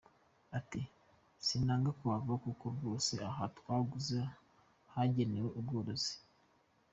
Ati “ Sinanga kuhava kuko rwose aho twaguze hagenewe ubworozi.